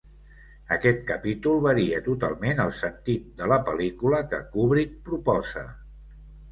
Aquest capítol varia totalment el sentit de la pel·lícula que Kubrick proposa.